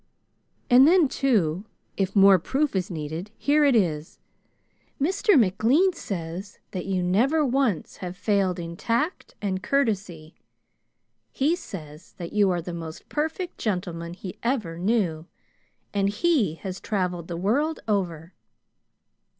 "And then, too, if more proof is needed, here it is: Mr. McLean says that you never once have failed in tact and courtesy. He says that you are the most perfect gentleman he ever knew, and he has traveled the world over.